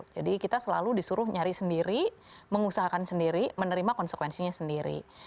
jadi kita selalu disuruh nyari sendiri mengusahakan sendiri menerima konsekuensinya sendiri